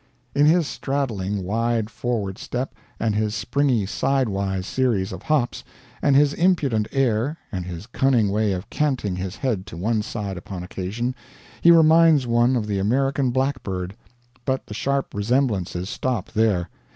In his straddling wide forward step, and his springy side wise series of hops, and his impudent air, and his cunning way of canting his head to one side upon occasion, he reminds one of the American blackbird. But the sharp resemblances stop there.